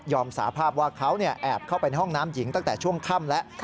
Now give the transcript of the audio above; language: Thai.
สาภาพว่าเขาแอบเข้าไปในห้องน้ำหญิงตั้งแต่ช่วงค่ำแล้ว